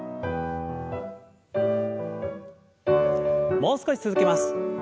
もう少し続けます。